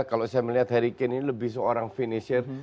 kalau saya melihat harry kane ini lebih seorang finishir